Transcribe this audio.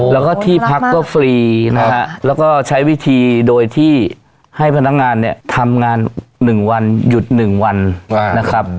แล้วก็ที่พักก็ฟรีนะฮะแล้วก็ใช้วิธีโดยที่ให้พนักงานเนี่ยทำงาน๑วันหยุด๑วันนะครับ